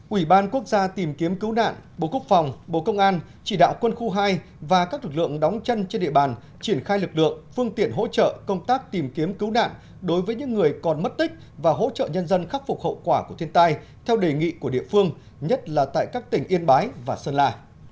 ủy ban quốc gia tìm kiếm cứu nạn bộ quốc phòng bộ công an chỉ đạo quân khu hai và các lực lượng đóng chân trên địa bàn triển khai lực lượng phương tiện hỗ trợ công tác tìm kiếm cứu nạn đối với những người còn mất tích và hỗ trợ nhân dân khắc phục hậu quả của thiên tai theo đề nghị của địa phương nhất là tại các tỉnh yên bái và sơn la